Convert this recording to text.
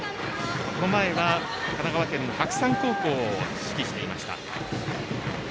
この前は神奈川県の白山高校を指揮していました。